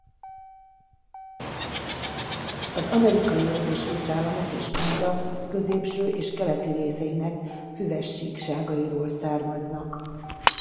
Az Amerikai Egyesült Államok és Kanada középső és keleti részeinek füves síkságairól származnak.